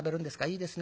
いいですね。